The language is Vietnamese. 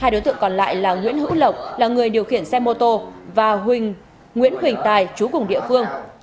hai đối tượng còn lại là nguyễn hữu lộc là người điều khiển xe mô tô và nguyễn huỳnh tài chú cùng địa phương